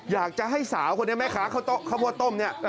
อยากจะให้สาวคนนี้ไหมคะข้าวโพรต้มนี่